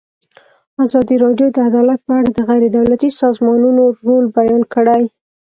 ازادي راډیو د عدالت په اړه د غیر دولتي سازمانونو رول بیان کړی.